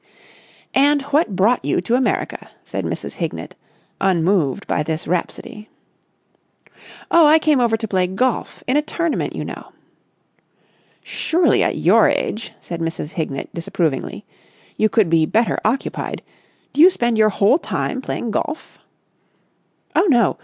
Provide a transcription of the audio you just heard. "And what brought you to America?" said Mrs. Hignett, unmoved by this rhapsody. "Oh, I came over to play golf. In a tournament, you know." "Surely at your age," said Mrs. Hignett, disapprovingly, "you could be better occupied. Do you spend your whole time playing golf?" "Oh, no!